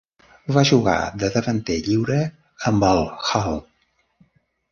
Va jugar de davanter lliure amb el Hull.